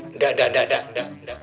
enggak enggak enggak